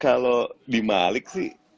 kalo di malik sih